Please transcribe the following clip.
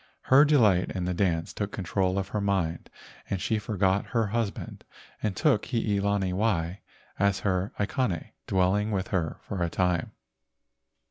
Her delight in the dance took control of her mind, and she forgot her husband and took Hii lani wai as her aikane, dwelling with her for a time.